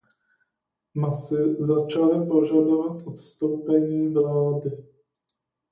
Masy začaly požadovat odstoupení vlády.